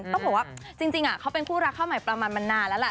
ต้องบอกว่าจริงเขาเป็นคู่รักข้าวใหม่ประมาณมานานแล้วแหละ